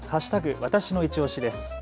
わたしのいちオシです。